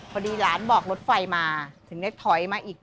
พอดีหลานบอกรถไฟมาถึงได้ถอยมาอีก